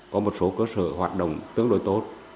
có một số cơ sở hoạt động tương đối tốt